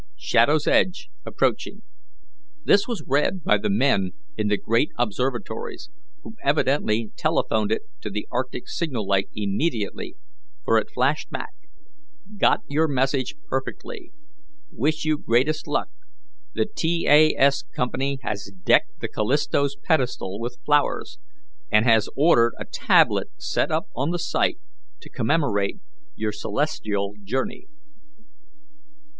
Shadow's edge approaching." This was read by the men in the great observatories, who evidently telephoned to the arctic Signal Light immediately, for it flashed back: "Got your message perfectly. Wish you greatest luck. The T. A. S. Co. has decked the Callisto's pedestal with flowers, and has ordered a tablet set up on the site to commemorate your celestial journey."